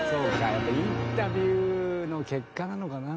やっぱりインタビューの結果なのかなあ。